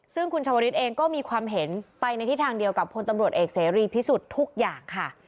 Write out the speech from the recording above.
ซึ่งคุณชวริสเองก็มีความเห็นไปในทิศทางเดียวกับพลตำรวจเอกเสรีพิสุทธิ์ทุกอย่างค่ะ